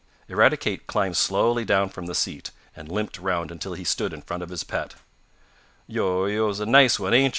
Eradicate climbed slowly down from the seat, and limped around until he stood in front of his pet. "Yo' yo're a nice one, ain't yo'?"